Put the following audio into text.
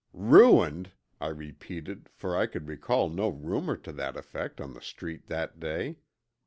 "Ruined!" I repeated, for I could recall no rumor to that effect on the Street that day.